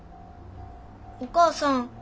お母さん。